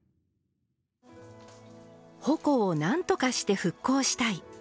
鉾をなんとかして復興したい。